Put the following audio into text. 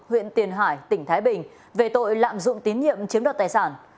huyện tiền hải tỉnh thái bình về tội lạm dụng tín nhiệm chiếm đoạt tài sản